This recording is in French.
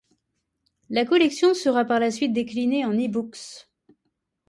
La collection sera par la suite déclinée en eBooks.